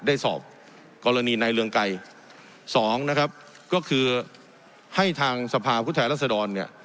ได้สอบกรณีในเรืองไกรสองนะครับก็คือให้ทางสภาพุทธแทนรัศดรเนี่ย